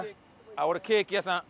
俺ケーキ屋さん。